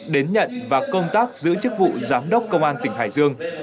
đến nhận và công tác giữ chức vụ giám đốc công an tỉnh hải dương